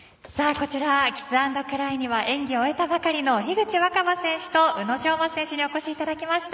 こちら、キスアンドクライには演技を終えたばかりの樋口新葉選手と宇野昌磨選手にお越しいただきました。